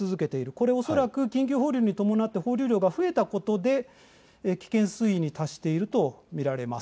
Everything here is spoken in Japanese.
これは恐らく緊急放流に伴って放流量が増えたことで危険水位に達しているとみられます。